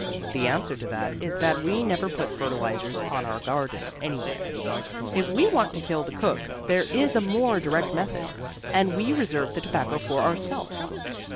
The answer to that is that we never put fertilizers on our garden, anyway. If we want to kill the cook there is a more direct method, and we reserve the tobacco for ourself.